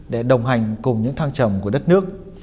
để đồng hành cùng những thăng trầm của đất nước